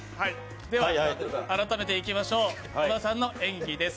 改めていきましょう、小田さんの演技です